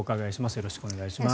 よろしくお願いします。